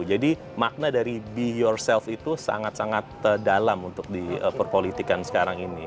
jadi makna dari be yourself itu sangat sangat dalam untuk diperpolitikan sekarang ini